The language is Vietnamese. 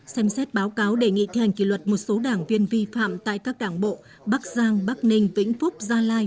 xem xét báo cáo đề nghị thi hành kỷ luật một số đảng viên vi phạm tại các đảng bộ bắc giang bắc ninh vĩnh phúc gia lai